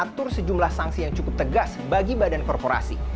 ini menarik untuk sejumlah sanksi yang cukup tegas bagi badan korporasi